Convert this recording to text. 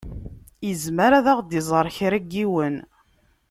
Izmer ad ɣ-d-iẓeṛ kra n yiwen.